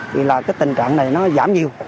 thì là cái tình trạng này nó giảm nhiều